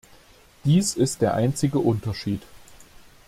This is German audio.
Dies ist der einzige Unterschied.